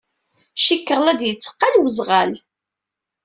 Cikkeɣ la d-yetteqqal weẓɣal.